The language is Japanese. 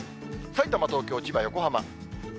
さいたま、東京、千葉、横浜。